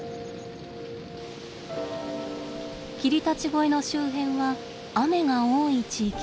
霧立越の周辺は雨が多い地域。